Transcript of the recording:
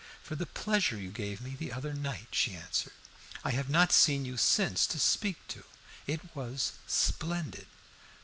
"For the pleasure you gave me the other night," she answered. "I have not seen you since to speak to. It was splendid!"